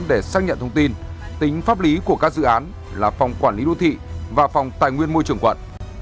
để xác nhận thông tin tính pháp lý của các dự án là phòng quản lý đô thị và phòng tài nguyên môi trường quận